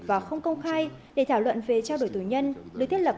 và không công khai để thảo luận về trao đổi tù nhân được thiết lập